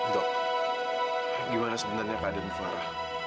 dok gimana sebenarnya keadaan bu farah